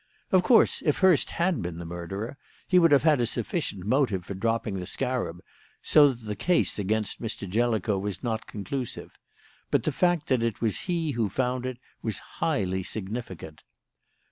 "Of course, if Hurst had been the murderer, he would have had a sufficient motive for dropping the scarab, so that the case against Mr. Jellicoe was not conclusive; but the fact that it was he who found it was highly significant.